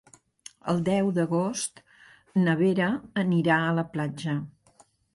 El deu d'agost na Vera anirà a la platja.